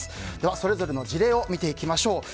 それぞれの事例を見ていきましょう。